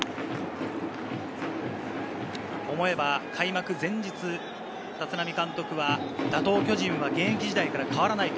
思えば開幕前日、立浪監督は打倒・巨人は現役時代から変わらない。